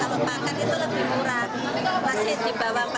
kalau paket itu lebih murah masih di bawah empat